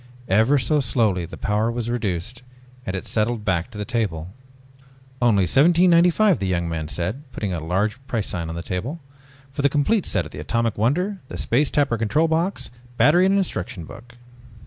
Ever so slowly the power was reduced and it settled back to the table. "Only $17.95," the young man said, putting a large price sign on the table. "For the complete set of the Atomic Wonder, the Space Tapper control box, battery and instruction book